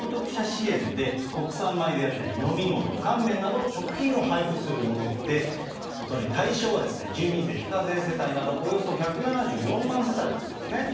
物価高の影響を受けやすい低所得者支援で、国産米であったり、飲み物、乾麺など、食品を配布するもので、お隣、対象は、住民税非課税世帯などおよそ１７４万世帯だったんですね。